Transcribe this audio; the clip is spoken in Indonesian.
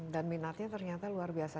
dan minatnya ternyata luar biasa